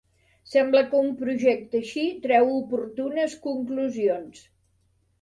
Sembla que un projecte així treu oportunes conclusions